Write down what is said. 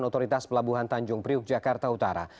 otoritas pelabuhan tanjung priuk jakarta utara